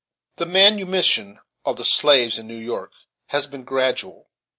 * The manumission of the slaves in New York has been gradual.